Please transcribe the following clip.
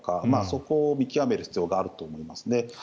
そこを見極める必要があると思いますね。